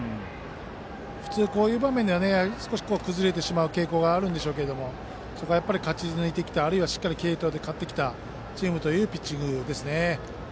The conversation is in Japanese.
普通こういう場面では少し崩れてしまう傾向があるんですがそこは勝ち抜いてきた、あるいはしっかり継投で勝ってきたチームというピッチングですね。